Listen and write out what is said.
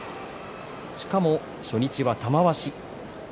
しかも、初日は玉鷲。